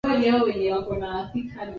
Krioli ni pijini iliyokomaa na kukubalika.